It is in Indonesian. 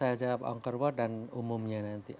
kita jawab angkor wat dan umumnya nanti